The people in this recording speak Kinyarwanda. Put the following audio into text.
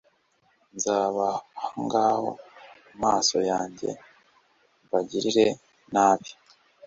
nzabahangaho amaso yanjye mbagirire nabi